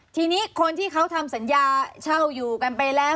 ทีนี้คนที่เขาทำสัญญาเช่าอยู่กันไปแล้ว